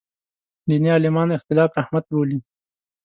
دیني عالمان اختلاف رحمت بولي.